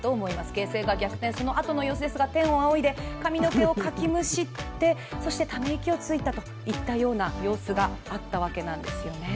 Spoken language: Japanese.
形勢逆転、そのあとの様子ですが天を仰いで髪の毛をかきむしって、そしてため息をついたといった様子があったわけなんですね。